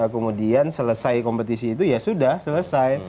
kemudian selesai kompetisi itu ya sudah selesai